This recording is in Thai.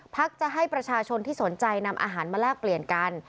จะให้ประชาชนที่สนใจนำอาหารมาแลกเปลี่ยนกัน